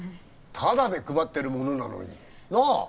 タダで配ってるものなのになあ